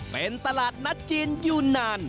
เป็นตลาดนัดจีนอยู่นาน